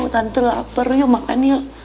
tante lapar yuk makan yuk